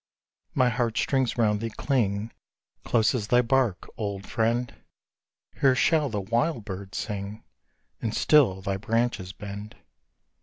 My heart strings round thee cling, Close as thy bark, old friend! Here shall the wild bird sing, And still thy branches bend.